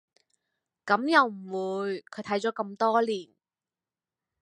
噉又唔會，睇咗咁多年